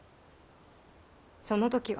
その時は。